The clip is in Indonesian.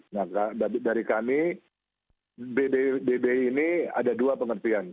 nah dari kami bbi ini ada dua pengertian